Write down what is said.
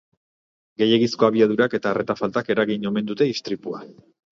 Gehiegizko abiadurak eta arreta faltak eragin omen dute istripua.